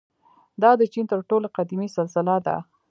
• دا د چین تر ټولو قدیمي سلسله ده.